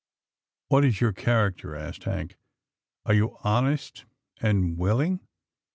"What is your character?" asked Hank, "are you honest and willing?